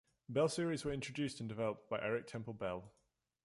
Bell series were introduced and developed by Eric Temple Bell.